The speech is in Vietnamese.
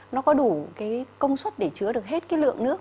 nó có đủ cái công suất để chứa được hết cái lượng nước